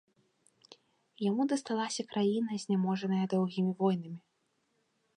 Яму дасталася краіна, зняможаная доўгімі войнамі.